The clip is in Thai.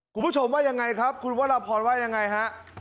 คุณผู้ชมว่ายังไงครับคุณวรพรว่ายังไงฮะ